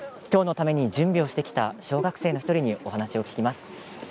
今日のために準備をしてきた小学生の１人にお話を聞きます。